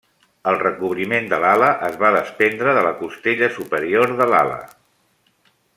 El recobriment de l'ala es va desprendre de la costella superior de l'ala.